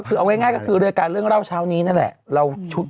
เอาง่ายก็คือเรื่องเล่าชาวนี้นั่นแหละ